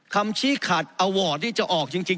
คำชี้ขัดอวอร์ดที่จะออกจริง